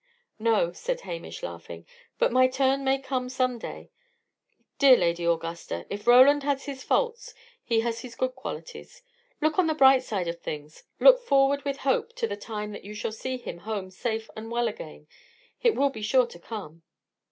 "No," said Hamish, laughing, "but my turn may come some day. Dear Lady Augusta, if Roland has his faults, he has his good qualities. Look on the bright side of things. Look forward with hope to the time that you shall see him home safe and well again. It will be sure to come."